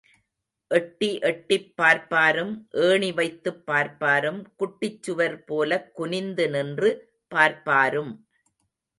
எட்டி எட்டிப் பார்ப்பாரும், ஏணி வைத்துப் பார்ப்பாரும், குட்டிச்சுவர் போலக் குனிந்து நின்று பார்ப்பாரும்.